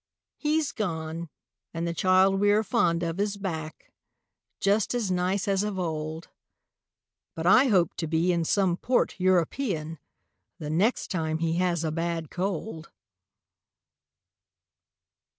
He's gone, and the child we are fond of Is back, just as nice as of old. But I hope to be in some port European The next time he has a bad cold.